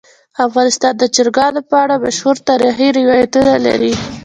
افغانستان د چرګانو په اړه مشهور تاریخی روایتونه لري.